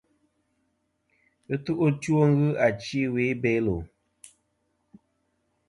Ɨtu ' two ghɨ achi ɨwe i Belo.